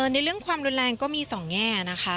ในเรื่องความรุนแรงก็มีสองแง่นะคะ